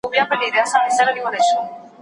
ما پخوا په دې اړه اورېدلي وو.